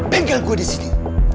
bengkel gue disini